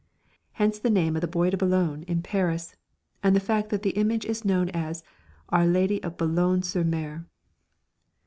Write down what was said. Hence the name of the Bois de Boulogne in Paris, and the fact that the image is known as Our Lady of Boulogne sur Mer.